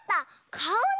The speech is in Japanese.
かおだ！